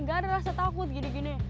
gak ada rasa takut gini gini